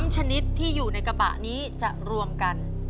ชนิดที่อยู่ในกระบะนี้จะรวมกัน